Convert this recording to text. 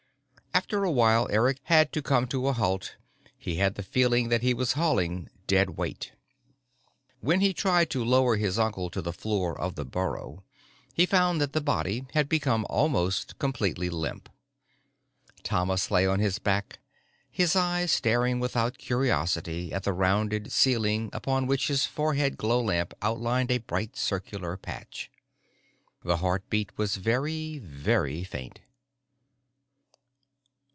After a while, Eric had to come to a halt: he had the feeling that he was hauling dead weight. When he tried to lower his uncle to the floor of the burrow, he found that the body had become almost completely limp. Thomas lay on his back, his eyes staring without curiosity at the rounded ceiling upon which his forehead glow lamp outlined a bright circular patch. The heartbeat was very, very faint.